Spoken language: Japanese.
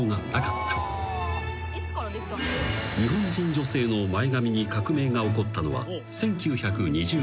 ［日本人女性の前髪に革命が起こったのは１９２０年代］